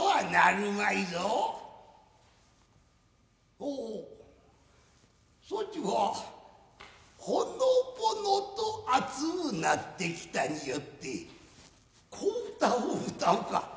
おおっそちはほのぼのと熱うなってきたによって小唄をうたうか。